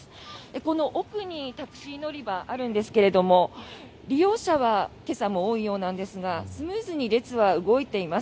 この奥にタクシー乗り場があるんですけども利用者は今朝も多いようなんですがスムーズに列は動いています。